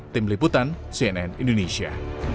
tim liputan cnn indonesia